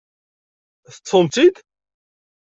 Teṭṭfem-tt-id?